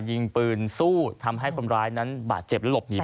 ยิงปืนสู้ทำให้คนร้ายนั้นบาดเจ็บและหลบหนี